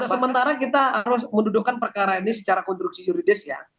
sementara kita harus mendudukan perkara ini secara konstruksi yuridis ya